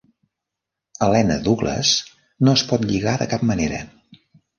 Helena Douglas no és pot lligar de cap manera.